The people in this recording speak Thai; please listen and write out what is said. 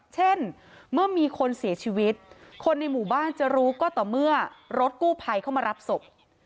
เช่นเมื่อมีคนเสียชีวิตคนในหมู่บ้านจะรู้ก็ต่อเมื่อรถกู้ภัยเข้ามารับศพ